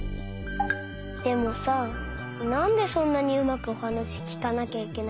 でもさなんでそんなにうまくおはなしきかなきゃいけないの？